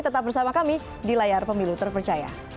tetap bersama kami di layar pemilu terpercaya